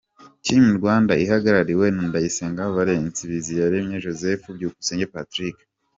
Team Rwanda ihagarariwe na Ndayisenga Valens, Biziyaremye Joseph, Byukusenge Patrick.